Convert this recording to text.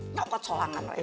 nggak kok colangan wae